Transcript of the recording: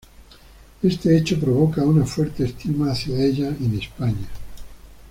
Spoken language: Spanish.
Este hecho provoca una fuerte estima hacia ella en España.